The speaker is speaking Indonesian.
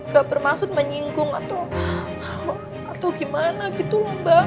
gak bermaksud menyinggung atau gimana gitu mbak